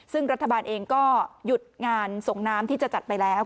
ซึ่งรัฐบาลเองก็หยุดงานส่งน้ำที่จะจัดไปแล้ว